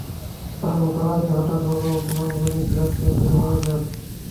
চার বছর আগে হঠাৎ বাবা ওসমান গনি ব্লাড ক্যানসারে মারা যান।